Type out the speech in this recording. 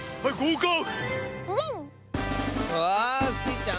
うわあ！スイちゃん